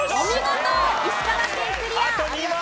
お見事！